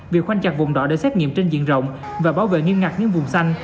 việc khoanh chặt vùng đỏ để xét nghiệm trên diện rộng và bảo vệ nghiêm ngặt những vùng xanh